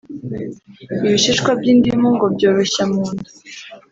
Ibishishwa by’indimu ngo byoroshya munda